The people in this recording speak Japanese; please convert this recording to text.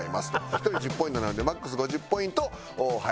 １人１０ポイントなのでマックス５０ポイント入るという事ですね。